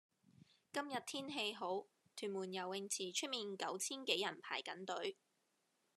今日天氣好，屯門游泳池出面九千幾人排緊隊。